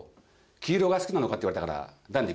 「黄色が好きなのか？」って言われたからダンディ